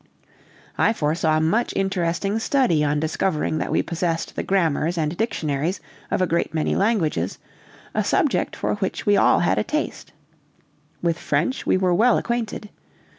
I foresaw much interesting study on discovering that we possessed the grammars and dictionaries of a great many languages, a subject for which we all had a taste. With French we were well acquainted.